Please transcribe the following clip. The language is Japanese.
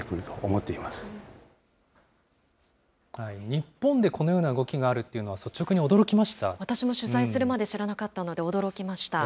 日本でこのような動きがあるっていうのは、私も取材するまで知らなかったので、驚きました。